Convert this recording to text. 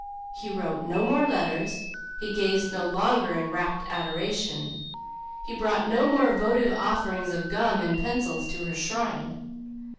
He wrote no more letters, he gazed no longer in rapt adoration, he brought no more votive offerings of gum and pencils to her shrine.